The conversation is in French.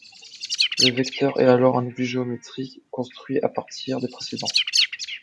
Le vecteur est alors un objet géométrique construit à partir des précédents.